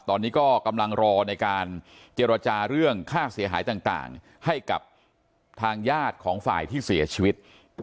ตอนนี้ก็กำลังรอในการเจรจาเรื่องค่าเสียหายต่างให้กับทางญาติของฝ่ายที่เสียชีวิต